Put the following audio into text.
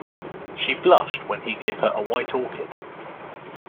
She blushed when he gave her a white orchid.